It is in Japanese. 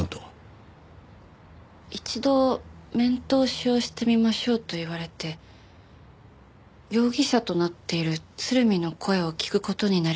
一度面通しをしてみましょうと言われて容疑者となっている鶴見の声を聞く事になりました。